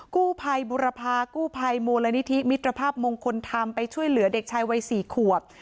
กู้ภัยบุรพากู้ภัยมูลนิธิมิตรภาพมงคลธรรมไปช่วยเหลือเด็กชายวัย๔ขวบ